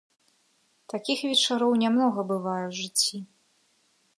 Такіх вечароў нямнога бывае ў жыцці.